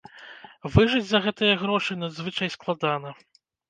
Выжыць за гэтыя грошы надзвычай складана.